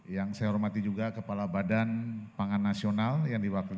yang saya hormati juga kepala badan pangan nasional yang diwakili